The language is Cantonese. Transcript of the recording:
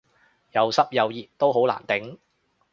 又濕又熱都好難頂